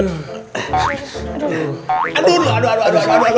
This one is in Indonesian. aduh aduh aduh aduh